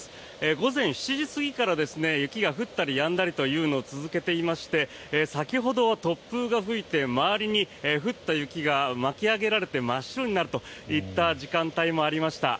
午前７時過ぎから雪が降ったりやんだりというのを続けていまして先ほどは突風が吹いて周りに降った雪が巻き上げられて真っ白になるといった時間帯もありました。